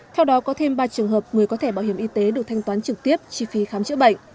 theo đó có thêm ba trường hợp người có thẻ bảo hiểm y tế được thanh toán trực tiếp chi phí khám chữa bệnh